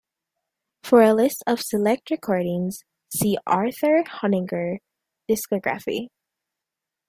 For a list of select recordings, see Arthur Honegger discography.